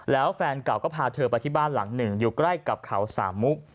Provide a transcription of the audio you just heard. แล้วแฟนเก่าก็พาเธอไปที่บ้านหลังหนึ่งอยู่ใกล้กับเขาสามมุก